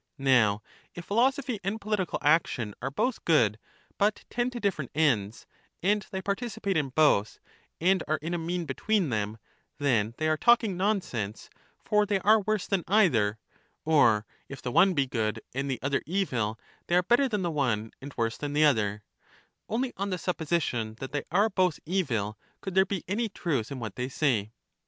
Now, if philosophy and political action are both good, but tend to different ends, and they participate in both, and are in a mean between them, then they are EUTHYDEMUS 273 talking nonsense, for they are worse than either; or, if the one be good and the other evil, they are better than the one and worse than the other; only on the supposition that they are both evil could there be any truth in what they say.